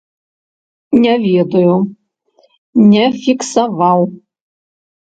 Не ведаю, не фіксаваў.